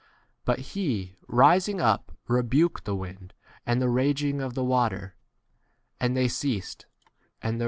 But he, rising up, rebuked the wind and the raging of the water, and they ceased, and there was a calm.